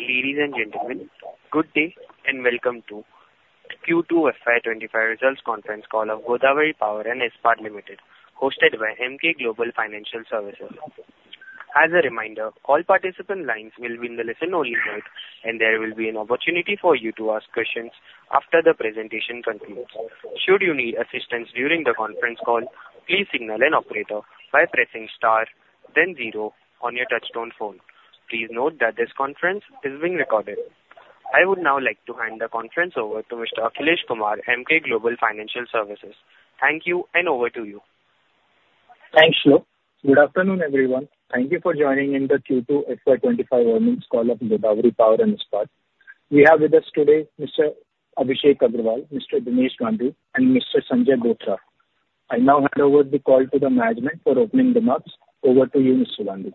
Ladies and gentlemen, good day, and welcome to Q2 FY 2025 Results Conference Call of Godavari Power & Ispat Limited, hosted by Emkay Global Financial Services. As a reminder, all participant lines will be in the listen-only mode, and there will be an opportunity for you to ask questions after the presentation concludes. Should you need assistance during the conference call, please signal an operator by pressing star then zero on your touchtone phone. Please note that this conference is being recorded. I would now like to hand the conference over to Mr. Akhilesh Kumar, Emkay Global Financial Services. Thank you, and over to you. Thanks, Shilo. Good afternoon, everyone. Thank you for joining in the Q2 FY 2025 Earnings Call of Godavari Power and Ispat. We have with us today Mr. Abhishek Agrawal, Mr. Dinesh Gandhi, and Mr. Sanjay Gupta. I now hand over the call to the management for opening remarks. Over to you, Mr. Gandhi.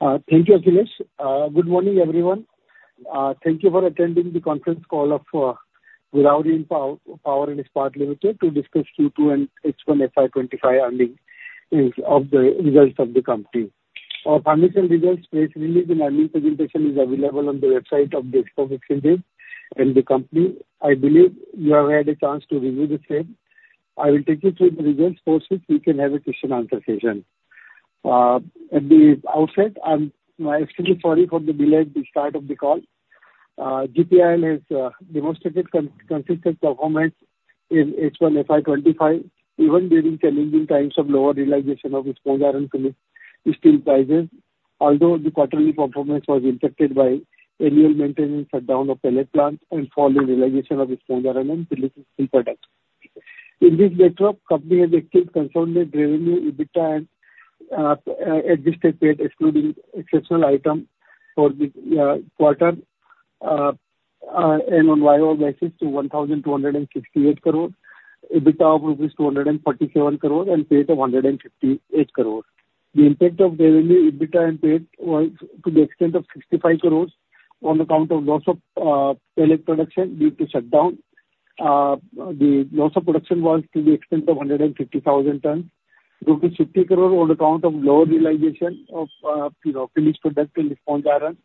Thank you, Akhilesh. Good morning, everyone. Thank you for attending the conference call of Godavari Power and Ispat Limited to discuss Q2 and H1 FY 2025 earnings of the results of the company. Our financial results press release and earnings presentation is available on the website of the Bombay Stock Exchange and the company. I believe you have had a chance to review the same. I will take you through the results post which we can have a question-and-answer session. At the outset, I'm extremely sorry for the delayed start of the call. GPIL has demonstrated consistent performance in H1 FY 2025, even during challenging times of lower realization of sponge iron and finished steel prices. Although the quarterly performance was impacted by annual maintenance shutdown of pellet plant and fall in realization of sponge iron and finished steel products. In this backdrop, company has achieved consolidated revenue, EBITDA, and adjusted PAT excluding exceptional item for the quarter and on YoY basis to INR 1,268 crore. EBITDA of INR 247 crore and PAT of INR 158 crore. The impact of revenue, EBITDA, and PAT was to the extent of INR 65 crores on account of loss of pellet production due to shutdown. The loss of production was to the extent of 150,000 tons. 60 crore on account of lower realization of, you know, finished product in sponge iron.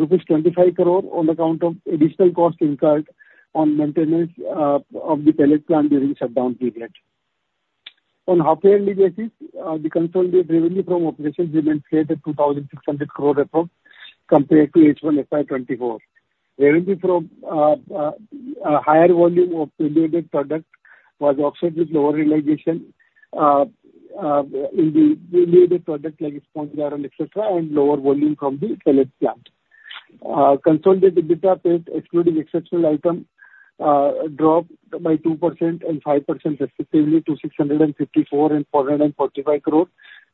Rupees 25 crore on account of additional costs incurred on maintenance of the pellet plant during shutdown period. On half yearly basis, the consolidated revenue from operations remained stable at 2,600 crore approx, compared to H1 FY 2024. Revenue from a higher volume of value-added product was offset with lower realization in the value-added product like sponge iron, et cetera, and lower volume from the pellet plant. Consolidated EBITDA PAT, excluding exceptional item, dropped by 2% and 5% respectively to 654 crore and 445 crore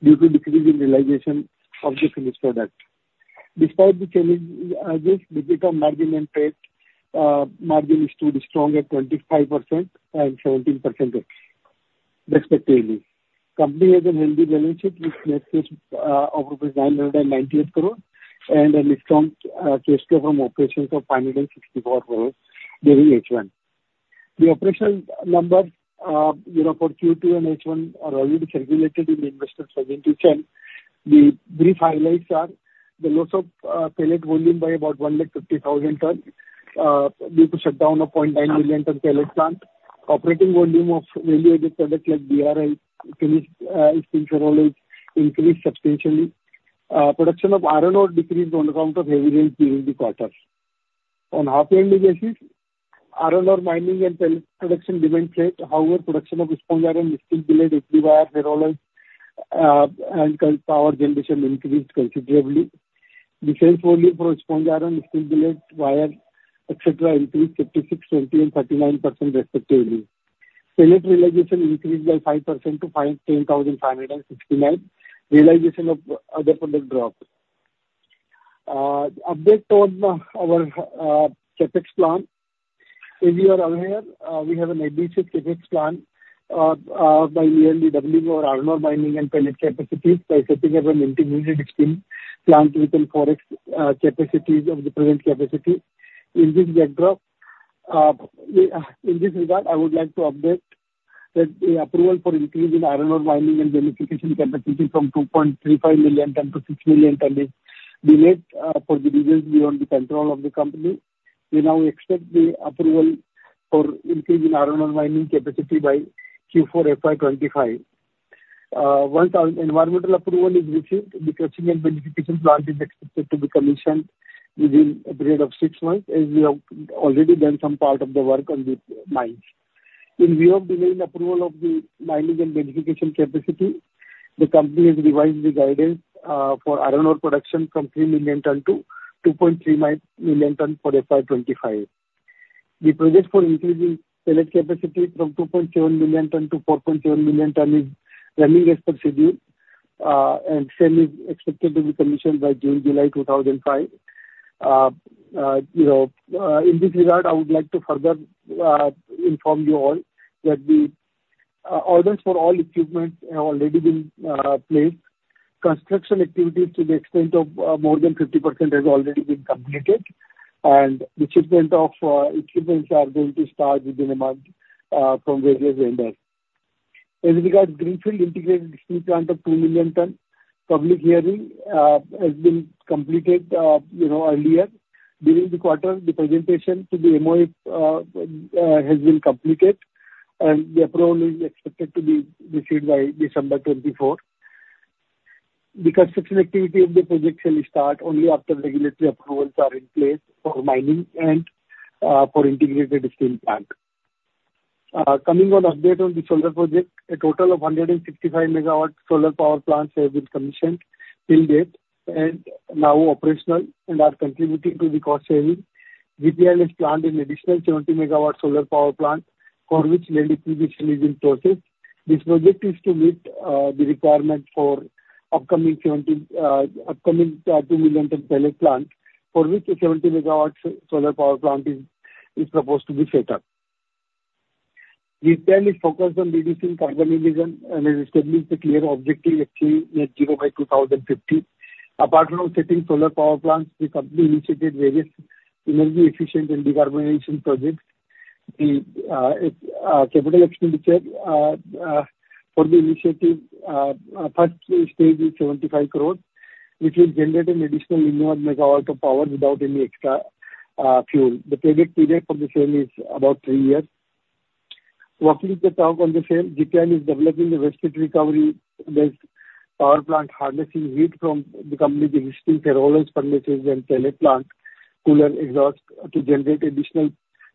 due to decrease in realization of the finished product. Despite the challenge, this EBITDA margin and PAT margin stood strong at 25% and 17% respectively. Company has a healthy balance sheet with net cash of INR 998 crore and a strong cash flow from operations of INR 564 crore during H1. The operational numbers, you know, for Q2 and H1 are already circulated in the investors presentation. The brief highlights are the loss of pellet volume by about 1.5 lakh tons due to shutdown of 0.9 million ton pellet plant. Operating volume of value-added products like DRI, finished steel products increased substantially. Production of iron ore decreased on account of heavy rain during the quarter. On half-yearly basis, iron ore mining and pellet production remained flat. However, production of sponge iron, steel billet, HB wire, ferro alloys, and power generation increased considerably. The sales volume for sponge iron, steel billet, wire, et cetera, increased 56%, 20%, and 39% respectively. Pellet realization increased by 5% to 10,569. Realization of other products dropped. Update on our CapEx plan. As you are aware, we have an aggressive CapEx plan by yearly doubling our iron ore mining and pellet capacities by setting up an intermediate stage plant with 4x capacities of the present capacity. In this backdrop, in this regard, I would like to update that the approval for increase in iron ore mining and beneficiation capacity from 2.35 million tons to 6 million tons is delayed for the reasons beyond the control of the company. We now expect the approval for increase in iron ore mining capacity by Q4 FY 2025. Once our environmental approval is received, the crushing and beneficiation plant is expected to be commissioned within a period of six months, as we have already done some part of the work on the mines. In view of delaying approval of the mining and beneficiation capacity, the company has revised the guidance for iron ore production from 3 million ton to 2.3 million ton for FY 2025. The project for increasing pellet capacity from 2.7 million ton to 4.7 million ton is running as per schedule, and same is expected to be commissioned by June, July 2025. You know, in this regard, I would like to further inform you all that the orders for all equipment have already been placed. Construction activities to the extent of more than 50% has already been completed, and the shipment of equipment are going to start within a month from various vendors. As regards greenfield integrated steel plant of 2 million tons, public hearing has been completed, you know, earlier. During the quarter, the presentation to the MoEF has been completed, and the approval is expected to be received by December 2024. The construction activity of the project shall start only after regulatory approvals are in place for mining and for integrated steel plant. Coming on update on the solar project, a total of 165 MW solar power plants have been commissioned till date, and now operational and are contributing to the cost saving. GPIL has planned an additional 70 MW solar power plant, for which preliminary study is in process. This project is to meet the requirement for upcoming 2 million ton pellet plant, for which a 70 MW solar power plant is supposed to be set up. We firmly focus on reducing carbon emission and establishing a clear objective of achieving net zero by 2050. Apart from setting solar power plants, the company initiated various energy efficient and decarbonization projects. The capital expenditure for the initiative first stage is 75 crores, which will generate an additional 9 MW of power without any extra fuel. The project period for the same is about 3 years. Working with Thermax, GPIL is developing the waste heat recovery-based power plant, harnessing heat from the company's existing ferroalloy furnaces and pellet plant cooler exhaust to generate additional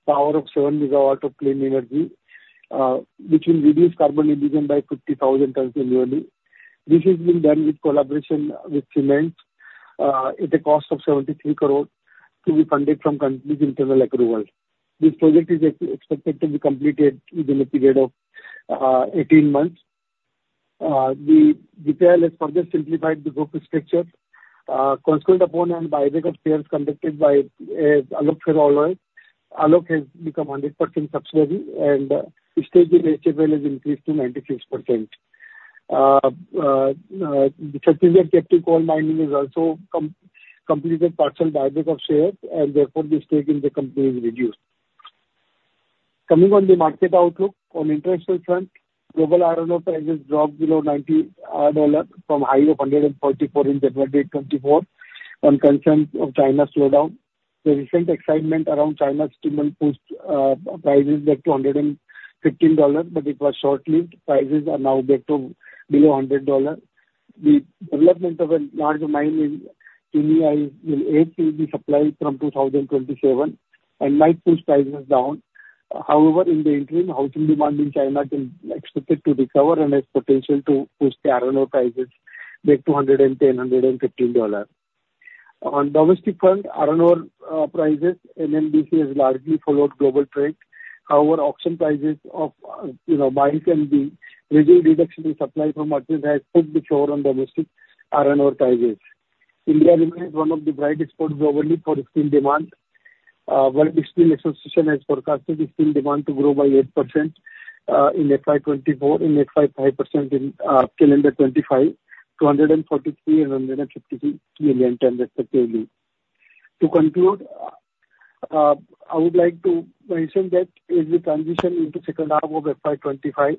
power of 7 MW of clean energy, which will reduce carbon emission by 50,000 tons annually. This is being done with collaboration with Thermax at a cost of 73 crore to be funded from company's internal accrual. This project is expected to be completed within a period of 18 months. GPIL has further simplified the group structure. Consequent upon the buyback of shares conducted by Alok Ferro Alloys, Alok has become 100% subsidiary, and stake in HFAL has increased to 96%. The coal mining has also completed partial buyback of shares, and therefore, the stake in the company is reduced. Coming to the market outlook. On international front, global iron ore prices dropped below $90 from high of $144 in February 2024, on concerns of China slowdown. The recent excitement around China's demand pushed prices back to $115, but it was short-lived. Prices are now back to below $100. The development of a large mine in Guinea will add to the supply from 2027 and might push prices down. However, in the interim, housing demand in China is expected to recover and has potential to push the iron ore prices back to $110-$115. On domestic front, iron ore prices and NMDC has largely followed global trend. However, auction prices of, you know, mining can be reduction in supply from August has put the floor on domestic iron ore prices. India remains one of the brightest spots globally for steel demand. World Steel Association has forecasted the steel demand to grow by 8% in FY 2024 and 5% in calendar 2025, to 143 million and 153 million tons respectively. To conclude, I would like to mention that as we transition into second half of FY 2025,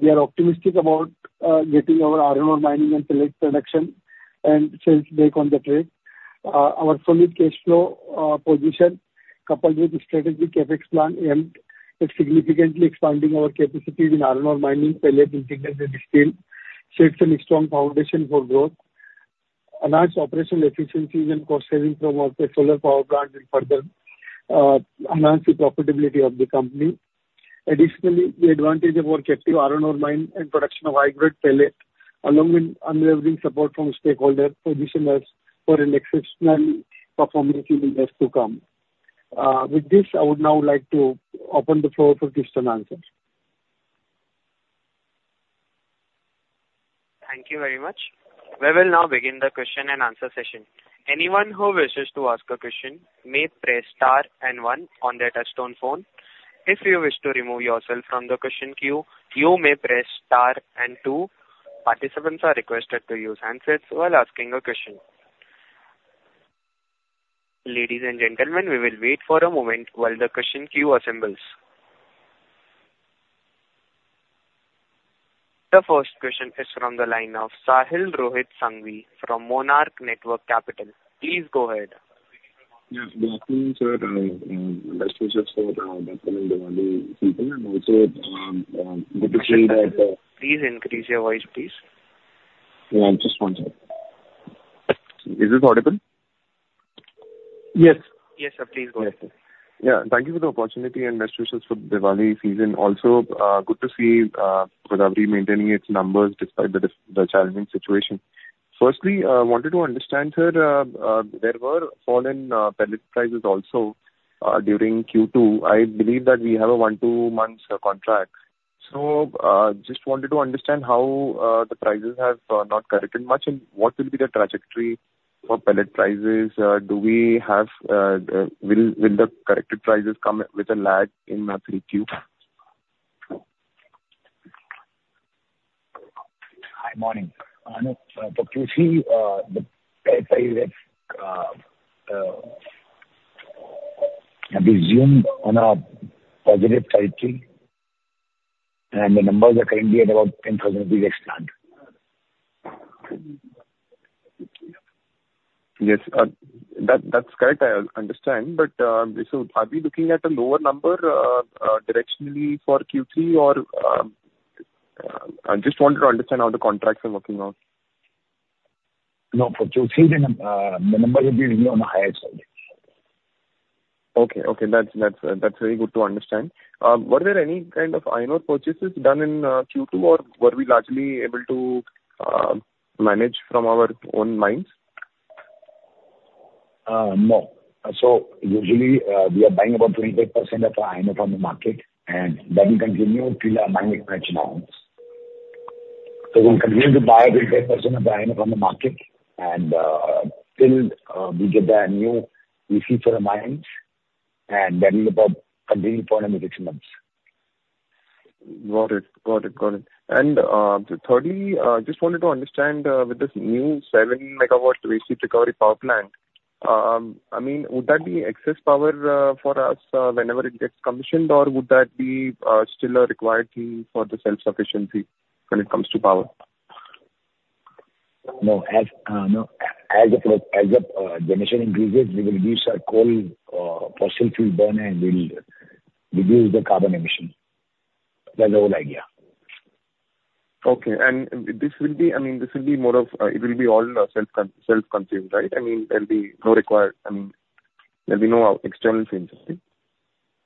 we are optimistic about getting our iron ore mining and pellet production and sales back on the track. Our solid cash flow position, coupled with strategic CapEx plan and significantly expanding our capacity in iron ore mining, pellet integrated and steel, sets a strong foundation for growth. Enhanced operational efficiencies and cost savings from our solar power plant will further enhance the profitability of the company. Additionally, the advantage of our captive iron ore mine and production of high-grade pellet, along with unwavering support from stakeholder, position us for an exceptionally performing years to come. With this, I would now like to open the floor for question and answers. Thank you very much. We will now begin the question and answer session. Anyone who wishes to ask a question may press star and one on their touchtone phone. If you wish to remove yourself from the question queue, you may press star and two. Participants are requested to use handsets while asking a question. Ladies and gentlemen, we will wait for a moment while the question queue assembles. The first question is from the line of Sahil Rohit Sanghvi from Monarch Networth Capital. Please go ahead. Yes, good afternoon, sir, and best wishes for Diwali season, and also good to see that. Please increase your voice, please. Yeah, just one second. Is this audible? Yes. Yes, sir, please go ahead. Yeah, thank you for the opportunity and best wishes for Diwali season. Also, good to see Godavari maintaining its numbers despite the challenging situation. Firstly, wanted to understand, sir, there were fall in pellet prices also during Q2. I believe that we have a one to two months contract. So, just wanted to understand how the prices have not corrected much, and what will be the trajectory for pellet prices? Will the corrected prices come with a lag in Q3? Hi, morning. So you see, the pellet prices have resumed on a positive territory, and the numbers are currently at about 10,000 rupees ex-plant. Yes, that's correct. I understand, but so are we looking at a lower number, directionally for Q3 or I just wanted to understand how the contracts are working out? No, for Q3, the number will be on the higher side. Okay, okay. That's very good to understand. Were there any kind of iron ore purchases done in Q2 or were we largely able to manage from our own mines? No. So usually, we are buying about 28% of the iron ore from the market, and that will continue till our mine expansion comes. So we'll continue to buy 28% of the iron from the market and, till we get the new EC for the mines, and that is about continuing for another six months. Got it. Got it, got it. And, thirdly, just wanted to understand, with this new 7 MW waste heat recovery power plant, I mean, would that be excess power, for us, whenever it gets commissioned, or would that be, still a required thing for the self-sufficiency when it comes to power? No. As the generation increases, we will use our coal, fossil fuel burn, and we'll reduce the carbon emission. That's the whole idea. Okay. This will be, I mean, this will be more of it. It will be all self-consumed, right? I mean, there'll be no required, I mean, there'll be no external changes, right?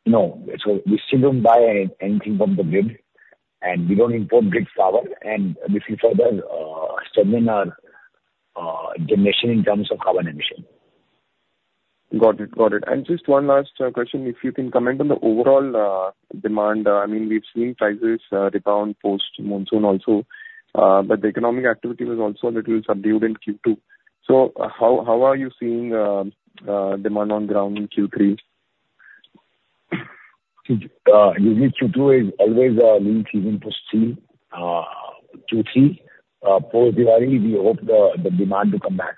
No. So we still don't buy anything from the grid, and we don't import grid power, and this will further strengthen our generation in terms of carbon emission. Got it. Just one last question, if you can comment on the overall demand. I mean, we've seen prices rebound post monsoon also, but the economic activity was also a little subdued in Q2. So how are you seeing demand on ground in Q3? Usually Q2 is always a lean season for steel. Q3, post Diwali, we hope the demand to come back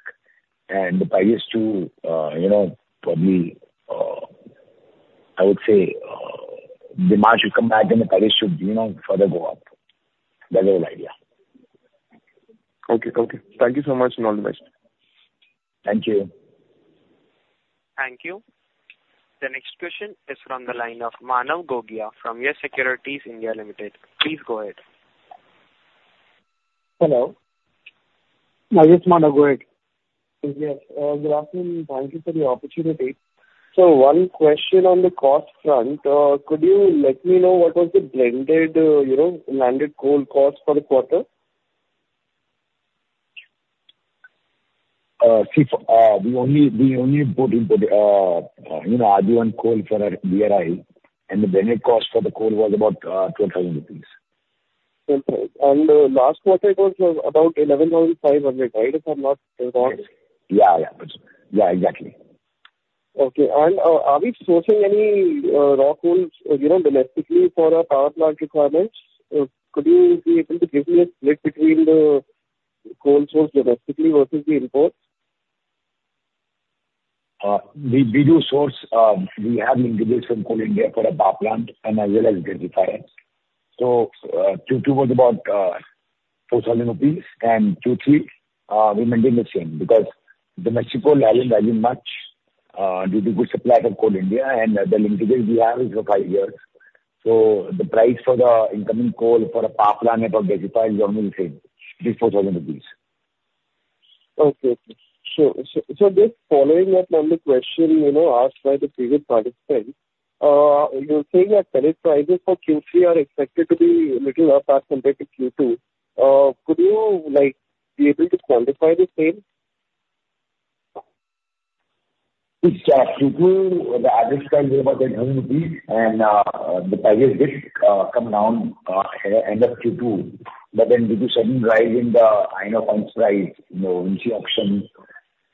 and the prices to, you know, probably, I would say, demand should come back and the prices should, you know, further go up. That's the whole idea. Okay. Okay. Thank you so much, and all the best. Thank you. Thank you. The next question is from the line of Manav Gogia, from YES Securities (India) Limited. Please go ahead. Hello? Yes, Manav, go ahead. Yes. Good afternoon, thank you for the opportunity. So one question on the cost front. Could you let me know what was the blended, you know, landed coal cost for the quarter? We only imported, you know, Adani coal for our DRI, and the blended cost for the coal was about 12,000 rupees. Okay, and the last quarter it was about 11,500, right? If I'm not wrong. Yeah, yeah. Yeah, exactly. Okay. And, are we sourcing any raw coals, you know, domestically for our power plant requirements? Could you be able to give me a split between the coal source domestically versus the imports? We do source. We have linkage from Coal India for our power plant and as well as the requirements. So, Q2 was about 4,000 rupees, and Q3 remaining the same, because domestic coal is very much due to good supply from Coal India and the linkage we have is for five years. So the price for the incoming coal for a power plant about is the same, INR 3,000- INR 4,000. Okay. So just following up on the question, you know, asked by the previous participant, you're saying that current prices for Q3 are expected to be a little up as compared to Q2. Could you, like, be able to quantify the same? It's Q2, the average was about INR 10,000, and the prices did come down end of Q2. But then due to sudden rise in the iron ore price, you know, in the auction,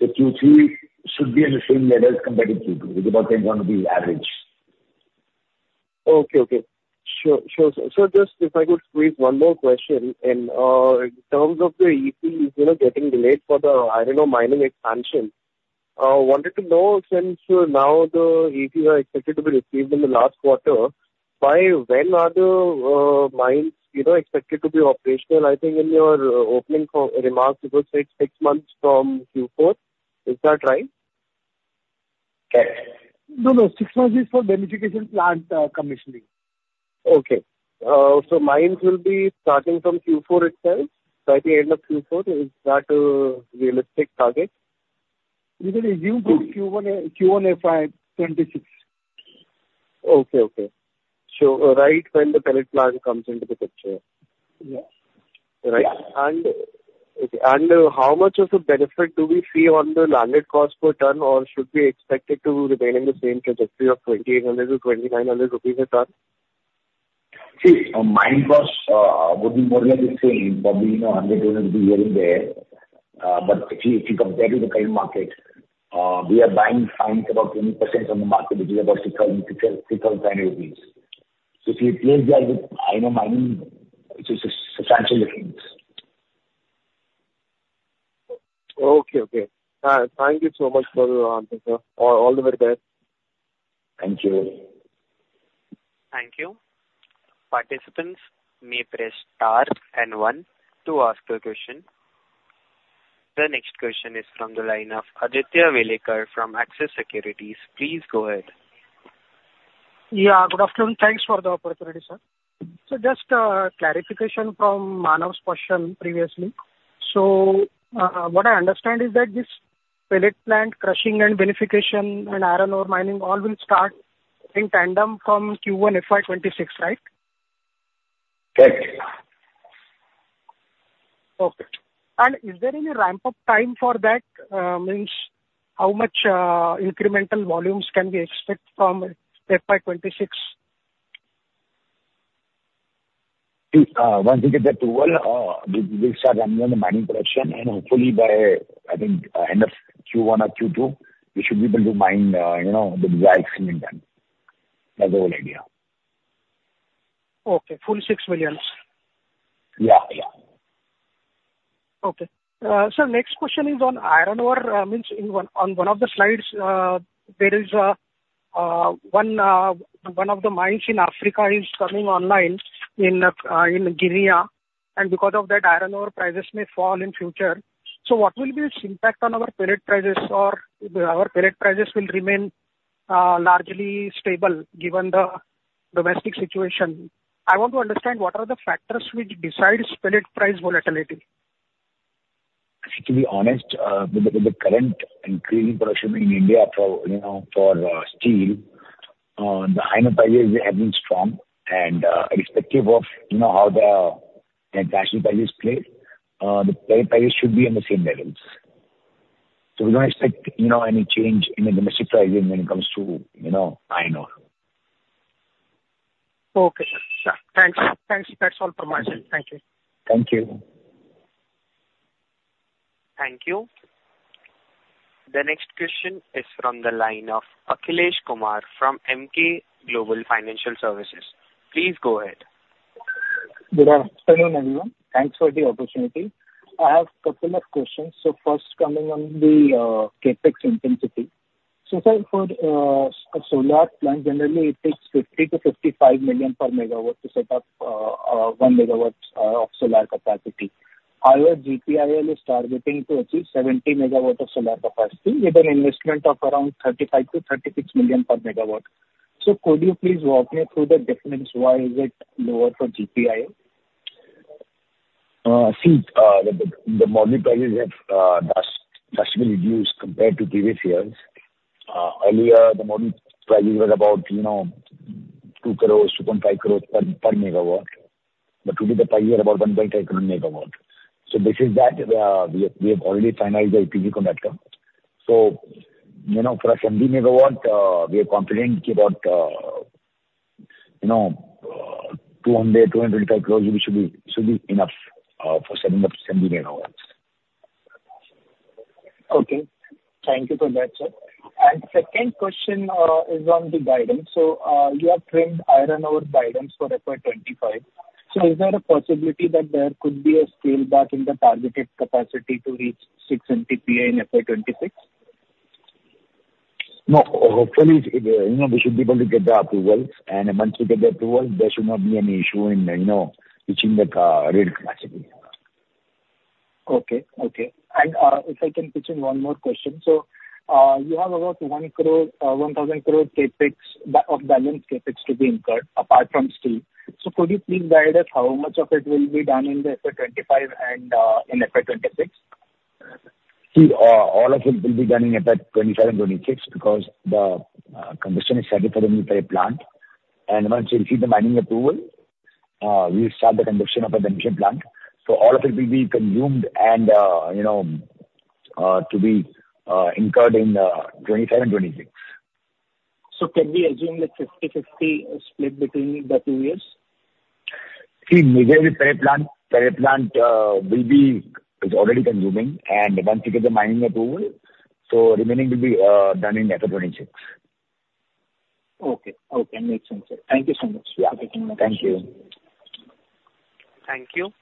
the Q3 should be at the same level as compared to Q2, because it's going to be average. Okay, okay. Sure, sure. So just if I could squeeze one more question, and in terms of the EC, you know, getting delayed for the, I don't know, mining expansion. Wanted to know since now the EC are expected to be received in the last quarter, by when are the mines, you know, expected to be operational? I think in your opening remarks, you could say six months from Q4. Is that right? Yes. No, no, six months is for beneficiation plant commissioning. Okay. So mines will be starting from Q4 itself, by the end of Q4. Is that a realistic target? You can assume to Q1, Q1 FY 2026. Okay, okay. So right when the pellet plant comes into the picture. Yeah. Right. And how much of a benefit do we see on the landed cost per ton, or should we expect it to remain in the same trajectory of 2,800-2,900 rupees a ton? See, mine cost would be more or less the same, probably, you know, 100 rupees here and there. But if you compare to the current market, we are buying fines about 20% on the market, which is about 6,610 rupees. So if you place the iron ore mining, it's a substantial effect. Okay, okay. Thank you so much for your answer, sir. All, all the very best. Thank you. Thank you. Participants may press star and one to ask a question. The next question is from the line of Aditya Welekar from Axis Securities. Please go ahead. Yeah, good afternoon. Thanks for the opportunity, sir. So just, clarification from Manav's question previously. So, what I understand is that this pellet plant crushing and beneficiation and iron ore mining, all will start in tandem from Q1 FY 2026, right? Correct. Okay. And is there any ramp-up time for that? Means how much incremental volumes can we expect from FY 2026? See, once we get the approval, we'll start running on the mining production, and hopefully by, I think, end of Q1 or Q2, we should be able to mine, you know, the desired streaming then. That's the whole idea. Okay. Full 6 million. Yeah, yeah. Okay. So next question is on iron ore. I mean, on one of the slides, there is one of the mines in Africa coming online in Guinea, and because of that, iron ore prices may fall in future. So what will be its impact on our pellet prices or our pellet prices will remain largely stable given the domestic situation? I want to understand what are the factors which decide pellet price volatility? To be honest, with the current increasing production in India for, you know, for steel, the iron ore prices have been strong and, irrespective of, you know, how the international prices play, the pellet prices should be on the same levels. So we don't expect, you know, any change in the domestic pricing when it comes to, you know, iron ore. Okay. Thanks. Thanks. That's all from my side. Thank you. Thank you. Thank you. The next question is from the line of Akhilesh Kumar from Emkay Global Financial Services. Please go ahead. Good afternoon, everyone. Thanks for the opportunity. I have couple of questions. So first, coming on the CapEx intensity. So, sir, for a solar plant, generally it takes 50 million-55 million per MW to set up one megawatts of solar capacity. Our GPIL is targeting to achieve 70 MW of solar capacity with an investment of around 35 million-36 million per MW. So could you please walk me through the difference why is it lower for GPIL? See, the module prices have drastically reduced compared to previous years. Earlier, the module pricing was about, you know, 2 crores, 2.5 crores per MW, but today the price is about 1.5 crore MW. So this is that, we have already finalized the PPA contract. So, you know, for our 70 MW, we are confident about, you know, 205 crores should be enough for setting up 70 MW. Okay. Thank you for that, sir. And second question, is on the guidance. So, you have trimmed iron ore guidance for FY 2025. So is there a possibility that there could be a scale back in the targeted capacity to reach six MTPA in FY 2026? No. Hopefully, you know, we should be able to get the approval, and once we get the approval, there should not be any issue in, you know, reaching the rate capacity. Okay. And if I can pitch in one more question. So you have about one crore, 1,000 crore CapEx of balance CapEx to be incurred apart from steel. So could you please guide us how much of it will be done in the FY 2025 and in FY 2026? See, all of it will be done in FY 2027, 2026, because the construction is scheduled for the pellet plant. And once we receive the mining approval, we'll start the construction of the pellet plant. So all of it will be consumed and, you know, to be incurred in 2027, 2026. So can we assume that 50/50 is split between the two years? See, majorly, pellet plant is already consuming, and once we get the mining approval, so remaining will be done in FY 2026. Okay. Okay. Makes sense, sir. Thank you so much. Yeah. Thank you. Thank you.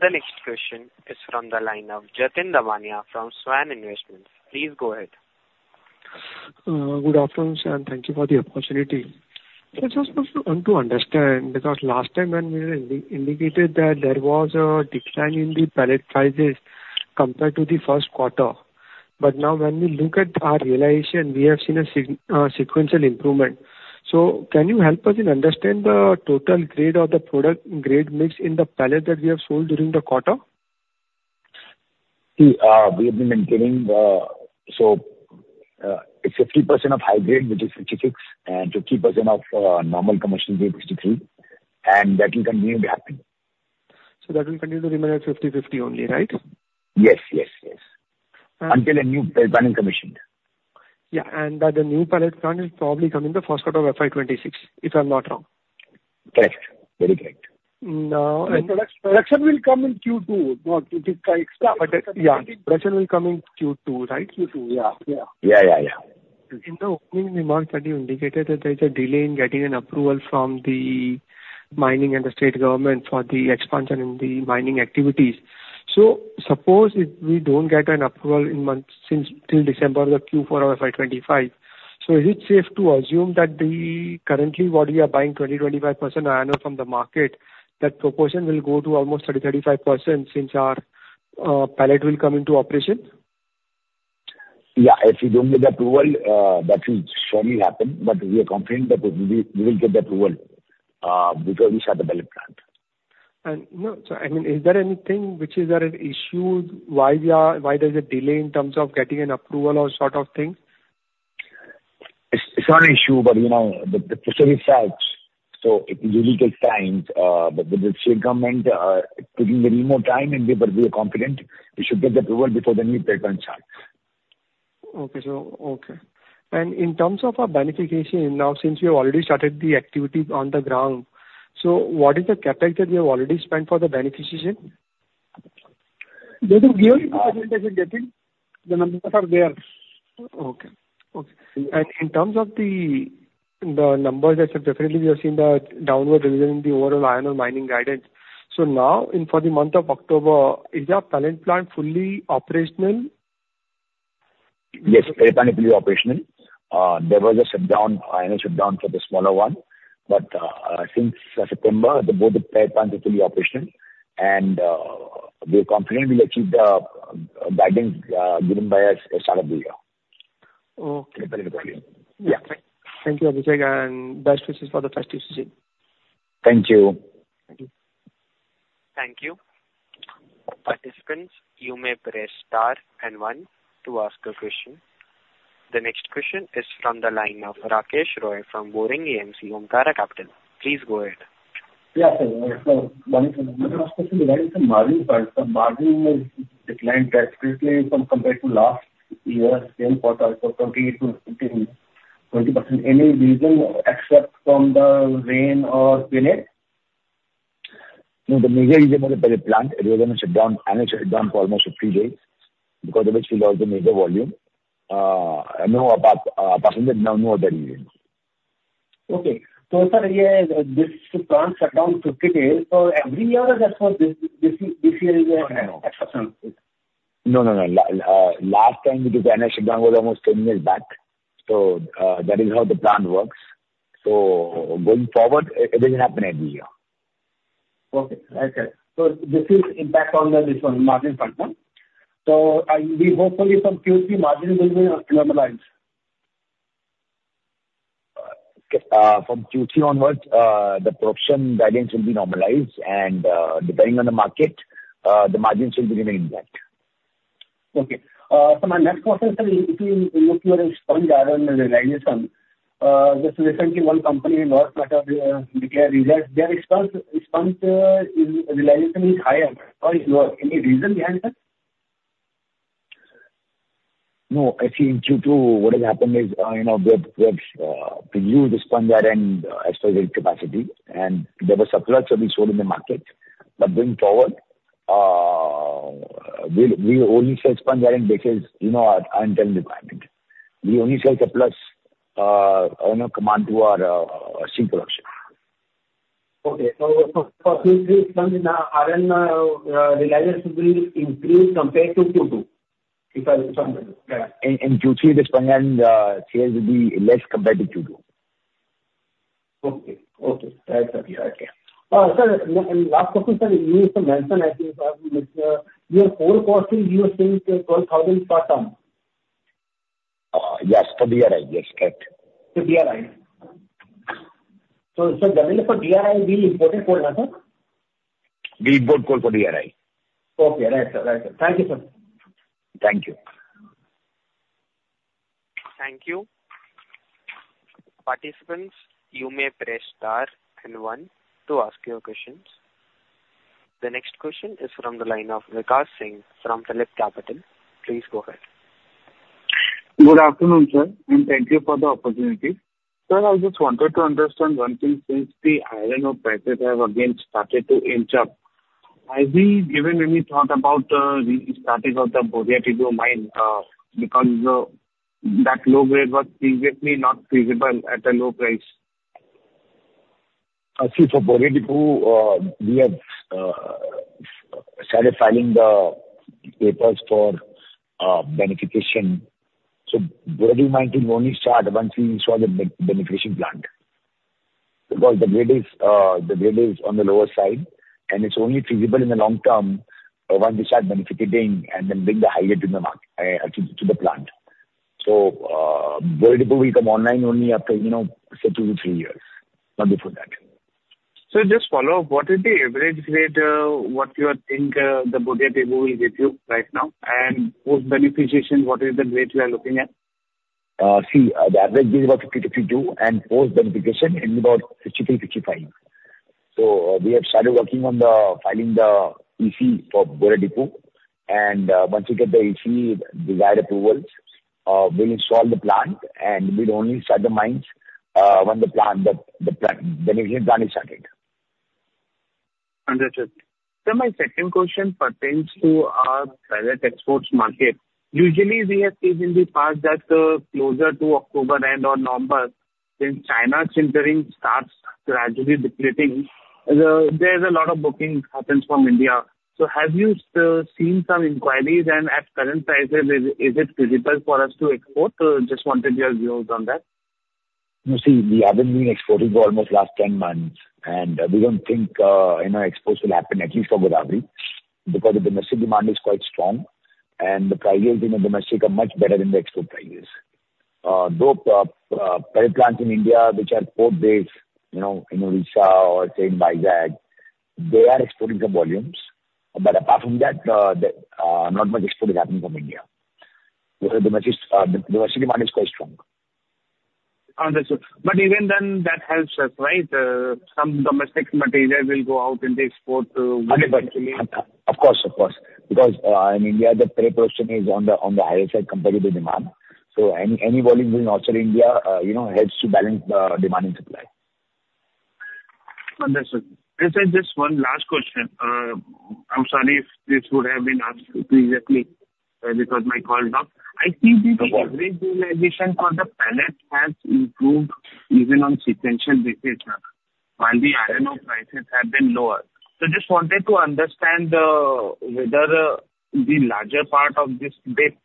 The next question is from the line of Jatin Damania from SVAN Investments. Please go ahead. Good afternoon, and thank you for the opportunity. So just want to understand, because last time when we indicated that there was a decline in the pellet prices compared to the first quarter, but now when we look at our realization, we have seen a significant sequential improvement. So can you help us in understanding the total grade or the product grade mix in the pellet that we have sold during the quarter? See, we have been maintaining the. So, it's 50% of high grade, which is 66, and 50% of normal commercial grade, 63, and that will continue to happen. So that will continue to remain at 50/50 only, right? Yes, yes, yes. Until a new pellet plant is commissioned. Yeah, and that the new pellet plant is probably coming the first quarter of FY 2026, if I'm not wrong. Correct. Very correct. Now, and- Production will come in Q2, but it is. Yeah. Production will come in Q2, right? Q2. Yeah, yeah. Yeah, yeah, yeah. In the opening remarks that you indicated that there is a delay in getting an approval from the mining and the state government for the expansion in the mining activities. So suppose if we don't get an approval in months since till December, the Q4 of FY 2025, so is it safe to assume that the currently what we are buying 20%-25% iron ore from the market, that proportion will go to almost 30%-35% since our pellet will come into operation? Yeah, if we don't get the approval, that will surely happen, but we are confident that we will get the approval because we have developed plant. And no, so I mean, is there anything which is there an issue, why we are, why there's a delay in terms of getting an approval or sort of thing? It's not an issue, but, you know, the process is such, so it usually takes time, but with the state government, it's taking a little more time, but we are confident we should get the approval before the new [inaudible] starts. In terms of our beneficiation, now, since you've already started the activity on the ground, so what is the capital that you have already spent for the beneficiation? That we gave you the presentation, I think. The numbers are there. Okay. Okay. And in terms of the numbers, as definitely we have seen the downward revision in the overall iron ore mining guidance. So now, for the month of October, is your pellet plant fully operational? Yes, entirely fully operational. There was a shutdown, annual shutdown for the smaller one, but since September, both plants are fully operational, and we are confident we'll achieve the guidance given by us at the start of the year. Okay. Yeah. Thank you, Abhishek, and best wishes for the festive season. Thank you. Thank you. Thank you. Participants, you may press star and one to ask a question. The next question is from the line of Rakesh Roy from Omkara Capital. Please go ahead. Yeah, sir, so one question regarding the margin part. The margin has declined drastically compared to last year, same quarter, from 20% to 20.20%. Any reason except from the rain or climate? No, the major reason was the plant. It was on a shutdown, annual shutdown for almost fifty days, because of which we lost the major volume. No, apart from that, no other reason. Okay. So, sir, yeah, this plant shutdown 50 days, so every year or just for this year we have exception? No, no, no. Last time, because the annual shutdown was almost ten years back, so that is how the plant works. So going forward, it will happen every year. Okay. I check. So this is impact on the, this one, margin front one. So are we hopefully from Q3 margin will be normalized? Okay, from Q3 onwards, the proportion guidance will be normalized, and depending on the market, the margins will remain intact. Okay. So my next question, sir, if you look your sponge iron realization, just recently one company in North China declare results. Their sponge realization is higher or lower. Any reason behind that? No, I think due to what has happened is, you know, we have produced the sponge iron as per the capacity, and there was surplus that we sold in the market. But going forward, we'll only sell sponge iron based on, you know, our internal requirement. We only sell surplus, in accordance with our steel production. Okay, so for Q3 sponge iron, realization will increase compared to Q2, if I understand, yeah? In Q3, the sponge iron sales will be less compared to Q2. Okay. Okay. Right, sir. Okay. Sir, and last question, sir, you mentioned, I think, your core costing, you were saying 12,000 per ton. Yes, for DRI. Yes, correct. For DRI. So, sir, generally for DRI, we import it for, sir? We import coal for DRI. Okay. Right, sir. Right, sir. Thank you, sir. Thank you. Thank you. Participants, you may press star and hne to ask your questions. The next question is from the line of Vikas Singh from PhillipCapital. Please go ahead. Good afternoon, sir, and thank you for the opportunity. Sir, I just wanted to understand one thing. Since the iron ore prices have again started to inch up, have you given any thought about restarting of the Boria Tibbu Mine, because that low grade was previously not feasible at the low price? See, for Boria Tibbu, we have started filing the papers for beneficiation. So Boria Tibbu mine will only start once we install the beneficiation plant, because the grade is on the lower side, and it's only feasible in the long term once we start beneficiating and then bring the high grade to the market to the plant. So Boria Tibbu will come online only after, you know, say, two to three years, not before that. Sir, just follow up. What is the average grade, what you think, the Boria Tibbu will give you right now? And post-beneficiation, what is the grade we are looking at? See, the average is about 50%-52%, and post-beneficiation is about 60%-65%, so we have started working on filing the EC for Boria Tibbu, and once we get the EC desired approvals, we'll install the plant, and we'll only start the mines when the plant, the beneficiation plant is started. Understood. Sir, my second question pertains to our pellet exports market. Usually, we have seen in the past that, closer to October end or November, when China's inventory starts gradually depleting, there's a lot of booking happens from India. So have you seen some inquiries, and at current prices, is it feasible for us to export? Just wanted your views on that. You see, we haven't been exporting for almost last 10 months, and we don't think, you know, exports will happen at least for Godavari, because the domestic demand is quite strong, and the prices in the domestic are much better than the export prices. Though, pellet plant in India, which are port-based, you know, in Orissa or say, Vizag, they are exporting some volumes. But apart from that, not much export is happening from India. Where the domestic demand is quite strong. Understood. But even then, that helps us, right? Some domestic material will go out in the export to- Of course, of course. Because in India, the pellet portion is on the higher side compared to the demand. So any volume in northern India, you know, helps to balance the demand and supply. Understood. Sir, just one last question. I'm sorry if this would have been asked previously, because my call dropped. No problem. I think the realization for the pellet has improved even on sequential basis, sir, while the iron ore prices have been lower. So just wanted to understand, whether the larger part of this dip,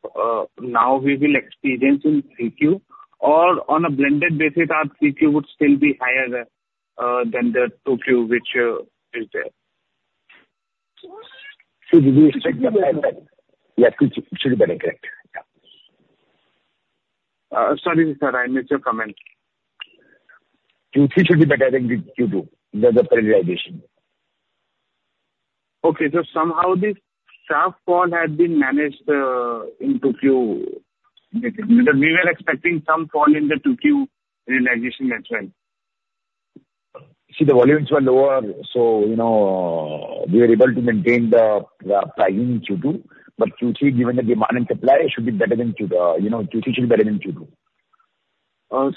now we will experience in 3Q, or on a blended basis, our 3Q would still be higher, than the 2Q, which is there? Q3 should be better. Yeah, Q3 should be better, correct. Yeah. Sorry, sir, I missed your comment. Q3 should be better than Q2, the realization. Okay. So somehow this sharp fall has been managed, in 2Q. We were expecting some fall in the 2Q realization as well. See, the volumes were lower, so, you know, we were able to maintain the pricing in Q2. But Q3, given the demand and supply, should be better than Q2.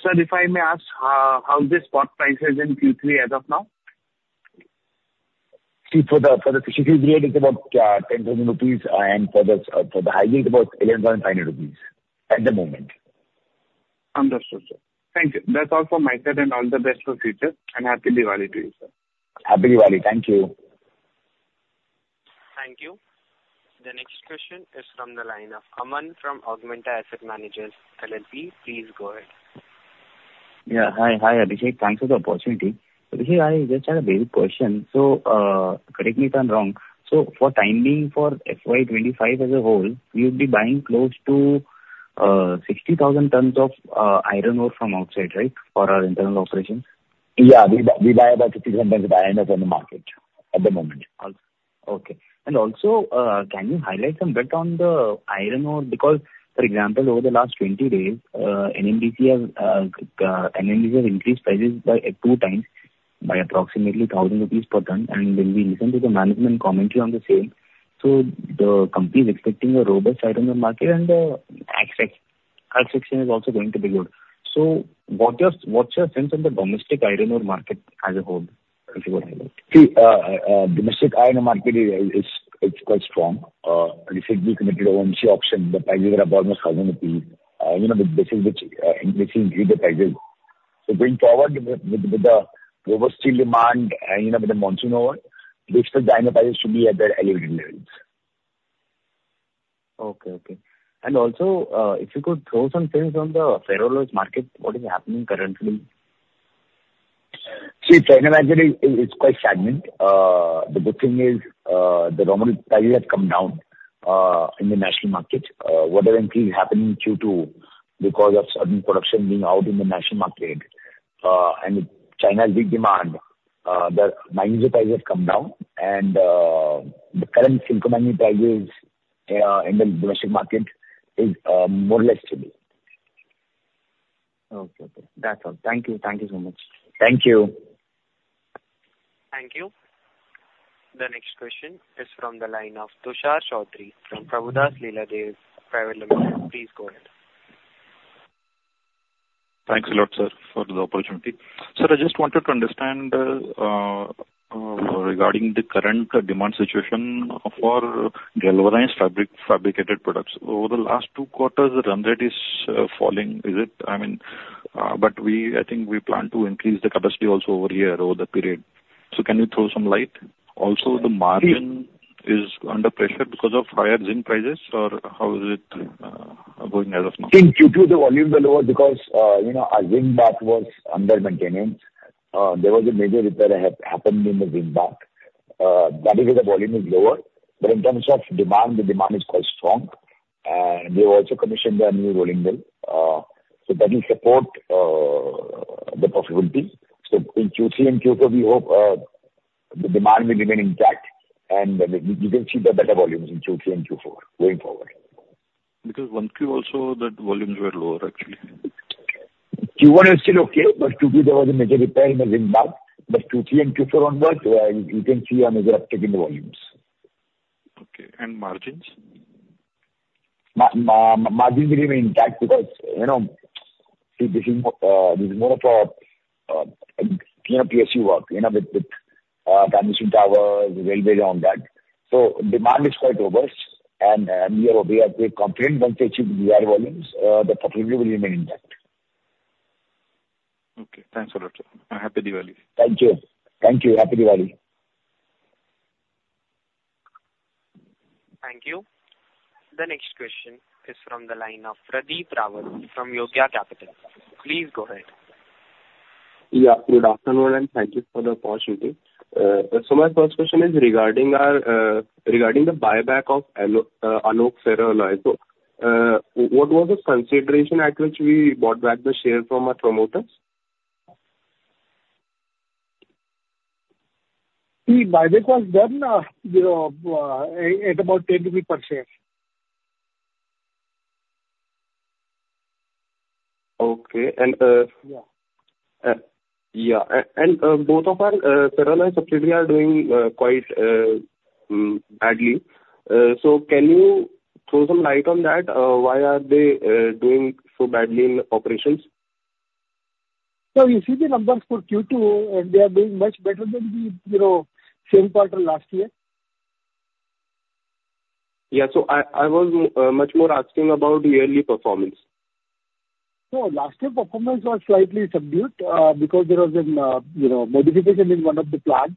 Sir, if I may ask, how is the spot prices in Q3 as of now? See, for the fines grade, it's about 10,000 rupees, and for the high grade, about 11,500 rupees at the moment. Understood, sir. Thank you. That's all for my side, and all the best for future, and Happy Diwali to you, sir. Happy Diwali. Thank you. Thank you. The next question is from the line of Aman from Augmenta Asset Managers LLP. Please go ahead. Yeah, hi. Hi, Abhishek. Thanks for the opportunity. Abhishek, I just had a basic question. So, correct me if I'm wrong, so for time being, for FY 2025 as a whole, we would be buying close to, 60,000 tons of, iron ore from outside, right? For our internal operations. Yeah. We buy, we buy about 60,000 tons of iron ore from the market at the moment. Okay. And also, can you highlight some bit on the iron ore? Because, for example, over the last 20 days, NMDC has increased prices by 2x, by approximately 1,000 rupees per ton. And when we listen to the management commentary on the sale, so the company is expecting a robust iron ore market, and the excess section is also going to be good. So what's your sense on the domestic iron ore market as a whole, if you go ahead? See, domestic iron ore market is. It's quite strong. Recently committed OMC auction, the prices are about 1,000 rupees. You know, this is which increasing the prices, so going forward with the robust steel demand and, you know, with the monsoon over, we expect the iron ore prices should be at the elevated levels. Okay. Okay. And also, if you could throw some things on the ferro alloys market, what is happening currently? See, the ferro alloy market is quite stagnant. The good thing is, the raw material price has come down in the national market. What are actually happening due to, because of certain production being out in the national market, and China's weak demand, the manganese prices have come down, and the current silico manganese prices in the domestic market is more or less stable. Okay. Okay, that's all. Thank you. Thank you so much. Thank you. Thank you. The next question is from the line of Tushar Chaudhari from Prabhudas Lilladher Pvt Ltd. Please go ahead. Thanks a lot, sir, for the opportunity. Sir, I just wanted to understand regarding the current demand situation for galvanized fabricated products. Over the last two quarters, the run rate is falling, is it? I mean, but I think we plan to increase the capacity also over here, over the period. So can you throw some light? Also, the margin is under pressure because of higher zinc prices, or how is it going as of now? In Q2, the volumes were lower because, you know, our zinc bath was under maintenance. There was a major repair that happened in the zinc bath. That is why the volume is lower. But in terms of demand, the demand is quite strong, and we have also commissioned a new rolling mill. So that will support the possibility. So in Q3 and Q4, we hope the demand will remain intact, and you can see the better volumes in Q3 and Q4 going forward. Because 1Q also, that volumes were lower actually. Q1 is still okay, but Q2, there was a major repair in the zinc bath. But Q3 and Q4 onwards, you can see a major uptick in the volumes. And margins? Margins will remain intact because, you know, this is more of a, you know, PSU work, you know, with transmission towers, railway and all that. So demand is quite robust, and we are quite confident once we achieve the higher volumes, the profitability will remain intact. Okay, thanks a lot, sir, and Happy Diwali! Thank you. Thank you. Happy Diwali. Thank you. The next question is from the line of Pradeep Rawal from Yogya Capital. Please go ahead. Yeah, good afternoon, and thank you for the opportunity. So my first question is regarding the buyback of Alok Ferro Alloys. So, what was the consideration at which we bought back the share from our promoters? The buyback was done, you know, at about 10 per share. Okay. And Yeah. Yeah, and both of our Ferro Alloy subsidiary are doing quite badly. So can you throw some light on that? Why are they doing so badly in operations? So you see the numbers for Q2, and they are doing much better than the, you know, same quarter last year. Yeah. So I was much more asking about yearly performance. So last year's performance was slightly subdued, because there was an, you know, modification in one of the plants.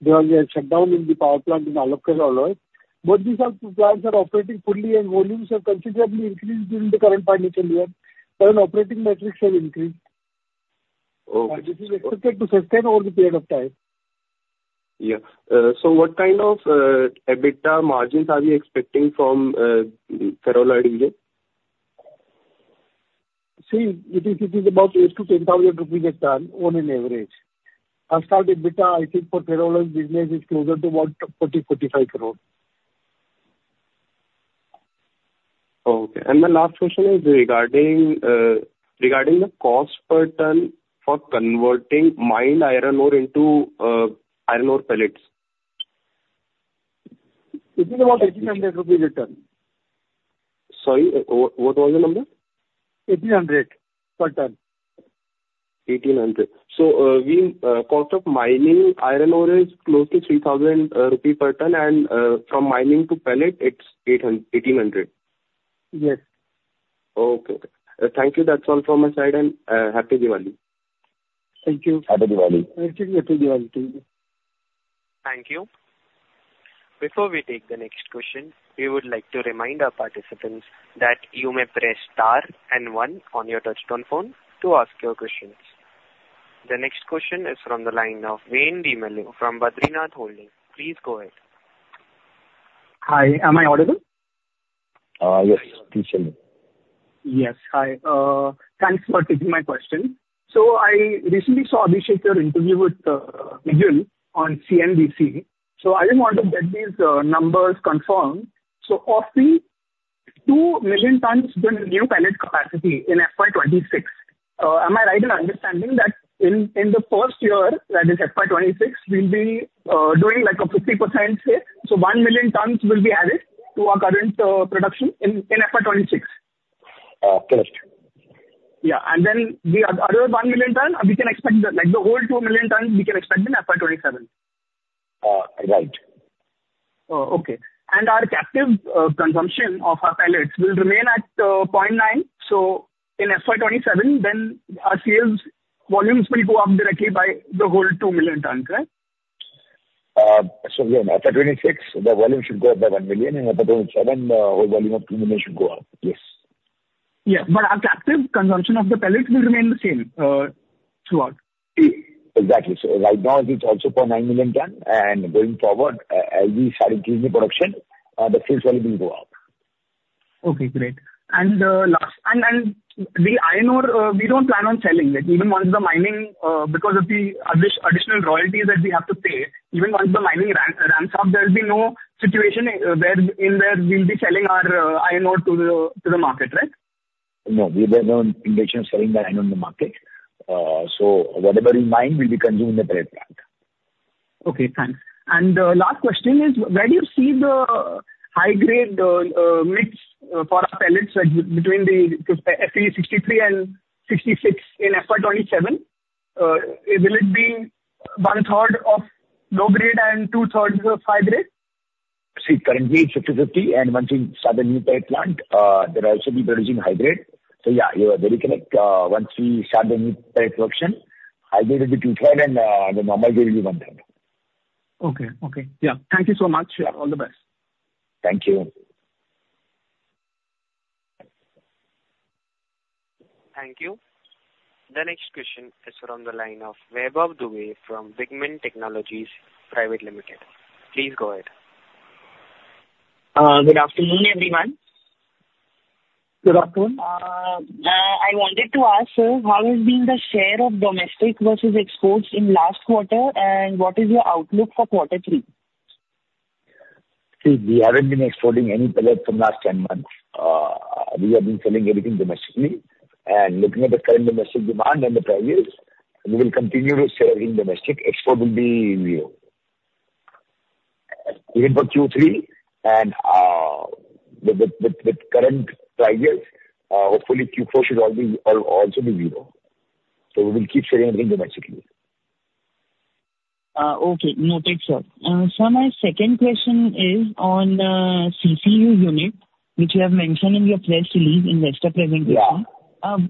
There was a shutdown in the power plant in Alok Ferro Alloys. Both these plants are operating fully, and volumes have considerably increased during the current financial year, and operating metrics have increased. Okay. This is expected to sustain over the period of time. Yeah. So what kind of EBITDA margins are we expecting from ferro alloy unit? See, it is about 8,000-10,000 rupees a ton on an average. Last year EBITDA, I think for ferro alloy business, is closer to about 40 crore-45 crore. Okay. And my last question is regarding the cost per ton for converting mined iron ore into iron ore pellets. It is about INR 1,800 a ton. Sorry, what was the number? INR 1,800 per ton. INR 1,800, so our cost of mining iron ore is close to 3,000 rupees per ton, and from mining to pellet, it's 1,800. Yes. Okay. Thank you. That's all from my side, and Happy Diwali. Thank you. Happy Diwali. Happy Diwali to you. Thank you. Before we take the next question, we would like to remind our participants that you may press star and one on your touchtone phone to ask your questions. The next question is from the line of Wayne Demello from Badrinath Holdings. Please go ahead. Hi, am I audible? Yes, please tell me. Yes. Hi, thanks for taking my question. So I recently saw Abhishek, your interview with Vijay on CNBC, so I just want to get these numbers confirmed. So of the two million tons in the new pellet capacity in FY 2026, am I right in understanding that in the first year, that is FY 2026, we'll be doing like a 50% here, so one million tons will be added to our current production in FY 2026? Uh, correct. Yeah, and then the other one million ton, we can expect the, like, the whole two million tons, we can expect in FY 2027. Uh, right. Oh, okay. And our captive consumption of our pellets will remain at point nine. So in FY 2027, then our sales volumes will go up directly by the whole 2 million tons, correct? So yeah, in FY 2026, the volume should go up by one million, in FY 2027, whole volume of two million should go up. Yes. Yeah, but our captive consumption of the pellets will remain the same throughout. Exactly. So, right now it's also 0.9 million ton, and going forward, as we start increasing the production, the sales value will go up. Okay, great. And the iron ore, we don't plan on selling it. Even once the mining, because of the additional royalties that we have to pay, even once the mining ramps up, there'll be no situation where we'll be selling our iron ore to the market, right? No, we have no intention of selling the iron ore in the market. So whatever we mine will be consumed in the pellet plant. Okay, thanks. And the last question is: Where do you see the high grade mix for our pellets between the Fe 63% and 66% in FY 2027? Will it be one third of low grade and two thirds of high grade? See, currently it's 50/50, and once we start the new plant, then I should be producing high grade. So yeah, you are very correct. Once we start the new plant production, high grade will be two-thirds and the normal grade will be one-third. Okay. Yeah. Thank you so much. Yeah. All the best. Thank you. Thank you. The next question is from the line of Vaibhav Dubey from BigMint Technologies Private Limited. Please go ahead. Good afternoon, everyone. Good afternoon. I wanted to ask, sir, how has been the share of domestic versus exports in last quarter, and what is your outlook for quarter three? See, we haven't been exporting any pellets from last 10 months. We have been selling everything domestically, and looking at the current domestic demand and the prices, we will continue to sell in domestic. Export will be zero. Even for Q3, and with current prices, hopefully Q4 should all be also zero. So we will keep selling everything domestically. Okay. Noted, sir. Sir, my second question is on, CCU unit, which you have mentioned in your press release investor presentation.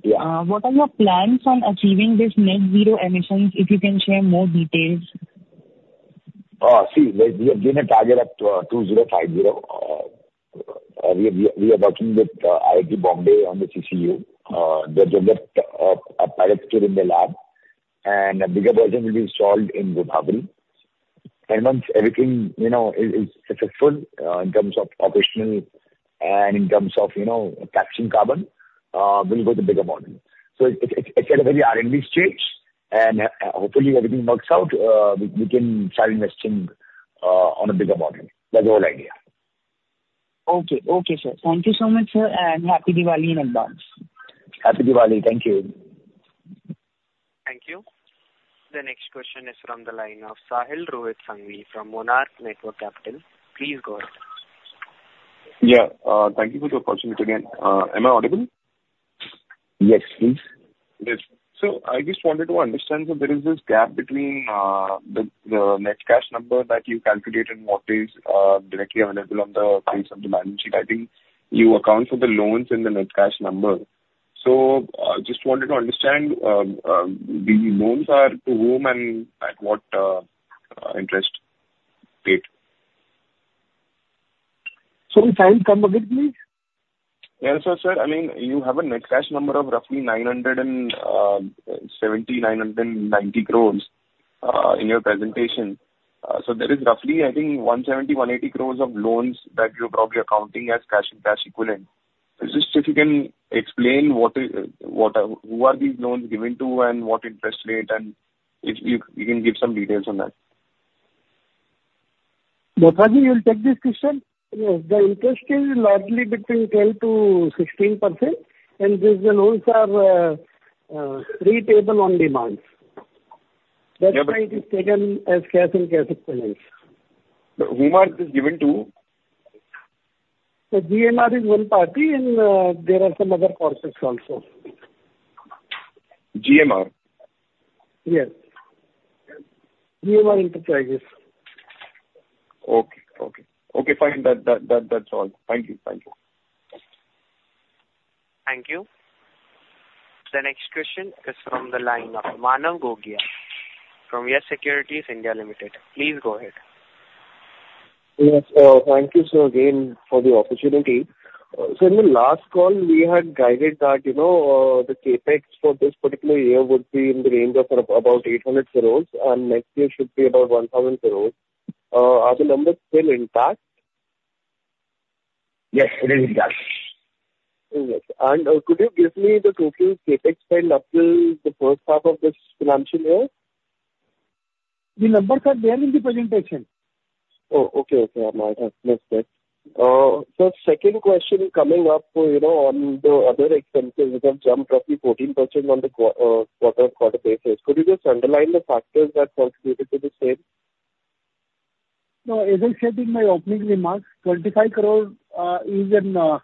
Yeah. What are your plans on achieving this net zero emissions, if you can share more details? See, like, we have given a target of 2050. We are working with IIT Bombay on the CCU. They get a pilot setup in the lab, and a bigger version will be installed in Bhubaneswar. Once everything, you know, is successful in terms of operational and in terms of, you know, capturing carbon, we'll go to bigger model. So it's at a very early stage, and hopefully everything works out, we can start investing on a bigger model. That's the whole idea. Okay. Okay, sir. Thank you so much, sir, and Happy Diwali in advance. Happy Diwali. Thank you. Thank you. The next question is from the line of Sahil Rohit Sanghvi from Monarch Networth Capital. Please go ahead. Yeah. Thank you for the opportunity again. Am I audible? Yes, please. Yes. So I just wanted to understand, so there is this gap between the net cash number that you calculated and what is directly available on the face of the balance sheet. I think you account for the loans in the net cash number. So just wanted to understand the loans are to whom and at what interest rate? Sorry, Sahil, come again, please. Yeah. So, sir, I mean, you have a net cash number of roughly 970-990 crores in your presentation. So there is roughly, I think, 170-180 crores of loans that you are probably accounting as cash and cash equivalent. Just if you can explain what are these loans given to, and what interest rate, and if you can give some details on that. Gupta ji, you'll take this question? Yes. The interest is largely between 12%-16%, and these loans are repayable on demand. Yeah, but- That's why it is taken as cash and cash equivalents. But to whom is this given? So GMR is one party, and there are some other corporates also. GMR? Yes. GMR Enterprises. Okay, fine. That's all. Thank you. Thank you. The next question is from the line of Manav Gogia from YES Securities (India) Limited. Please go ahead. Yes. Thank you, sir, again, for the opportunity. So in the last call, we had guided that, you know, the CapEx for this particular year would be in the range of around about 800 crores, and next year should be about 1,000 crores. Are the numbers still intact? Yes, it is intact. Yes. And, could you give me the total CapEx spent until the first half of this financial year? The numbers are there in the presentation. Oh, okay. Okay. I might have missed it. So second question coming up, you know, on the other expenses, which have jumped roughly 14% on the quarter-over-quarter basis. Could you just underline the factors that contributed to the same? No, as I said in my opening remarks, 25 crore is a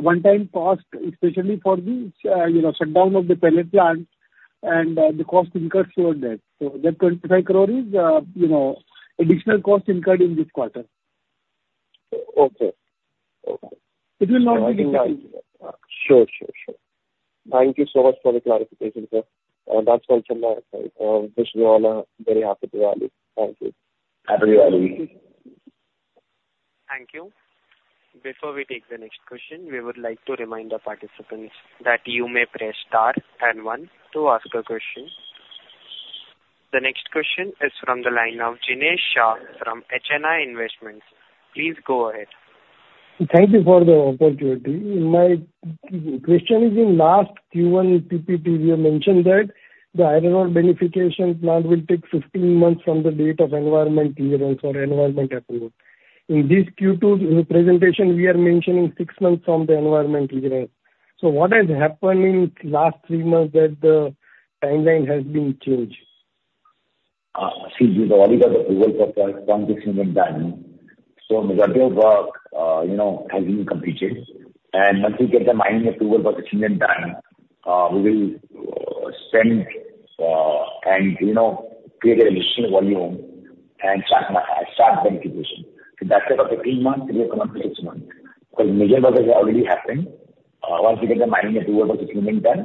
one-time cost, especially for the you know, shutdown of the pellet plant and the cost incurred toward that. So that 25 crore is you know, additional cost incurred in this quarter. Okay. Okay. It will not be repeated. Sure, sure, sure. Thank you so much for the clarification, sir. That's all from my side. Wish you all a very Happy Diwali. Thank you. Happy Diwali! Thank you. Before we take the next question, we would like to remind the participants that you may press star and one to ask a question. The next question is from the line of Jinesh Shah from HNI Investments. Please go ahead. Thank you for the opportunity. My question is, in last Q1 PPT, we have mentioned that the iron ore beneficiation plant will take fifteen months from the date of environmental clearance or environmental approval. In this Q2 presentation, we are mentioning six months from the environmental clearance. So what has happened in last three months that the timeline has been changed? See, we have already got approval for from the government, so majority of work, you know, has been completed. And once we get the mining approval for the second time, we will spend, and, you know, create additional volume and start the beneficiation. So that's type of eighteen months, we have come up to six months. So major work has already happened. Once we get the mining approval for the second time,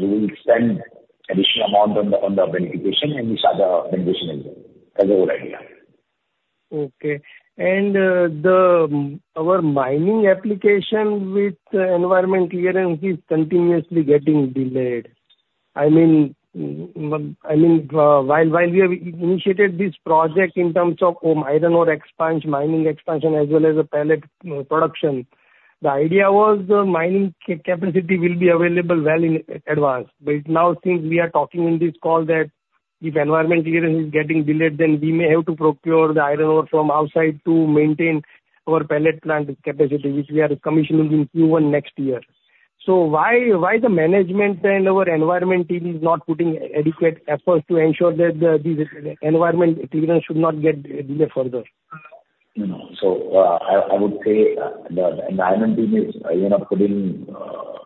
we will spend additional amount on the, on the beneficiation, and we start the beneficiation, that's the whole idea. Okay. And, our mining application with the environmental clearance is continuously getting delayed. I mean, while we have initiated this project in terms of iron ore expansion, mining expansion, as well as the pellet production, the idea was the mining capacity will be available well in advance. But now, since we are talking in this call that if environmental clearance is getting delayed, then we may have to procure the iron ore from outside to maintain our pellet plant capacity, which we are commissioning in Q1 next year. So why the management and our environmental team is not putting adequate efforts to ensure that the environmental clearance should not get delayed further? No. So, I would say the environment team is, you know, putting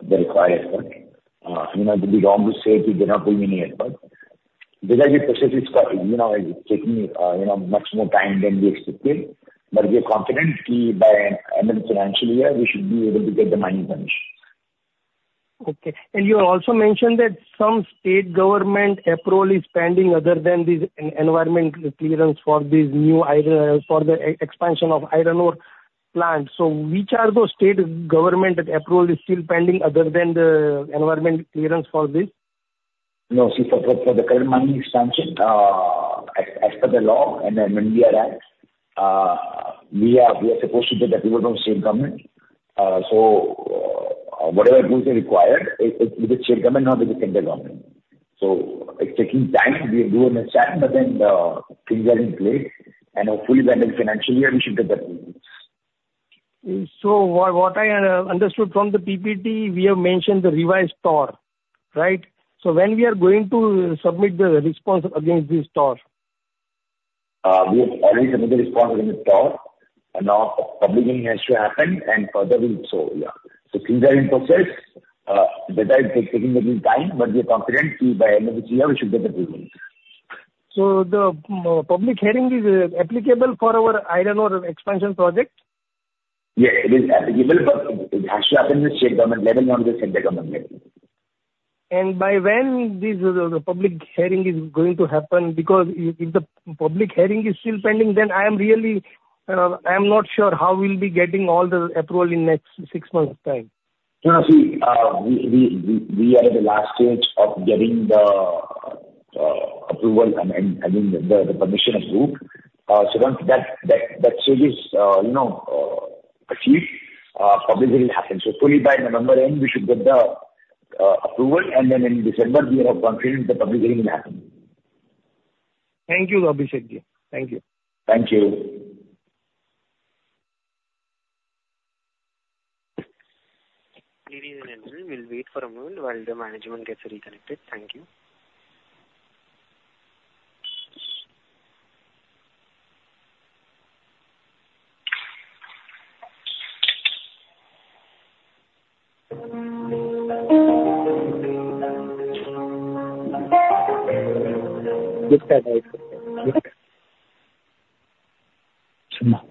the required effort. You know, it would be wrong to say we did not put any effort. Because the process is, you know, taking, you know, much more time than we expected, but we are confident by end of financial year, we should be able to get the mining permission. Okay. And you have also mentioned that some state government approval is pending other than this environment clearance for this new iron, for the expansion of iron ore plant. So which are those state government approval is still pending other than the environment clearance for this? No, see, for the current mining expansion, as per the law and then when we are asked, we are supposed to get approval from state government. So, whatever approvals are required, with the state government, not with the central government. So it's taking time. We do understand, but then, things are in place, and hopefully by end of financial year, we should get the approvals. So what I understood from the PPT, we have mentioned the revised TOR, right? So when we are going to submit the response against this TOR? We have already submitted response against TOR, and now publishing has to happen, and further we'll show, yeah. So things are in process, but are taking a little time, but we are confident that by end of this year, we should get the approval. So the public hearing is applicable for our iron ore expansion project? Yeah, it is applicable, but it has to happen at the state government level, not the central government level. And by when this public hearing is going to happen? Because if the public hearing is still pending, then I am really, I am not sure how we'll be getting all the approval in next six months' time. No, see, we are at the last stage of getting the approval, I mean, the permission approved, so once that stage is, you know, achieved, public hearing will happen, so fully by November end, we should get the approval, and then in December, we are confident the public hearing will happen. Thank you, Abhishek. Thank you. Thank you. Please remember, we'll wait for a moment while the management gets reconnected. Thank you.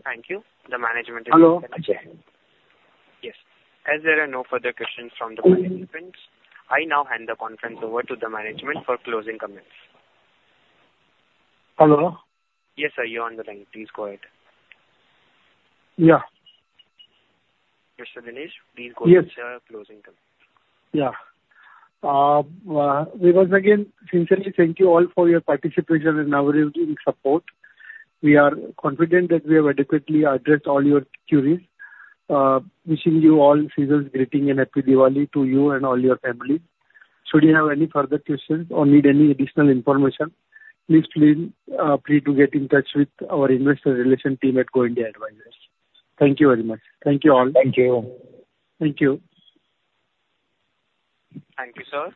Thank you. The management is- Hello. Yes. As there are no further questions from the participants, I now hand the conference over to the management for closing comments. Hello? Yes, sir, you're on the line. Please go ahead. Yeah. Mr. Dinesh, please go ahead with your closing comments. Yeah. We once again sincerely thank you all for your participation and ongoing support. We are confident that we have adequately addressed all your queries. Wishing you all seasonal greeting and happy Diwali to you and all your family. Should you have any further questions or need any additional information, please feel free to get in touch with our investor relation team at Go India Advisors. Thank you very much. Thank you all. Thank you. Thank you. Thank you, sir.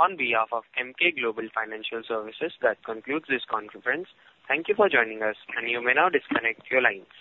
On behalf of Emkay Global Financial Services, that concludes this conference. Thank you for joining us, and you may now disconnect your lines.